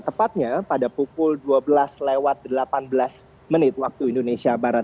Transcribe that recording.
tepatnya pada pukul dua belas lewat delapan belas menit waktu indonesia barat